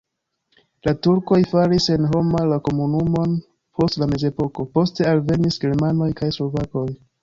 La turkoj faris senhoma la komunumon post la mezepoko, poste alvenis germanoj kaj slovakoj.